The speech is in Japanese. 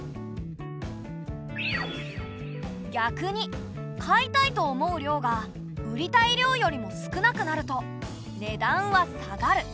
逆に買いたいと思う量が売りたい量よりも少なくなると値段は下がる。